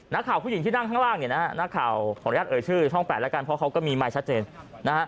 นักข่าวผู้หญิงที่นั่งข้างล่างนักข่าวของระยะเอ่ยชื่อช่อง๘แล้วกันเพราะเขาก็มีไมค์ชัดเจน